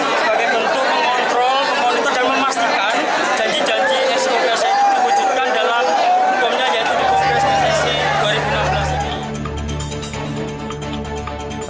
dimanapun kemampuan yang akan ada sebagai bentuk mengontrol mengonitor dan memastikan janji janji pssi pssi diwujudkan dalam hukumnya yaitu di kongres pssi dua ribu enam belas ini